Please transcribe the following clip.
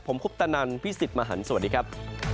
ผมคุปตะนันพี่สิทธิ์มหันฯสวัสดีครับ